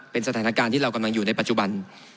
เป็นสถานการณ์ที่เรากำลังอยู่ในปัจจุบัน